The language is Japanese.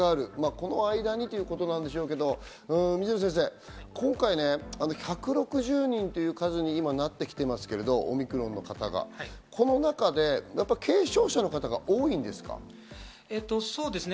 この間にということですけど、水野先生、今回１６０人という数に今なってきていますけど、オミクロンの方がこの中で軽症者の方が多いんですか？